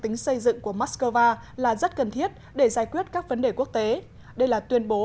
tính xây dựng của moscow là rất cần thiết để giải quyết các vấn đề quốc tế đây là tuyên bố